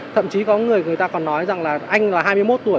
thậm chí có người người ta còn nói rằng là anh là hai mươi một tuổi